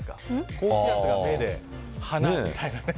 高気圧が目で、鼻みたいな。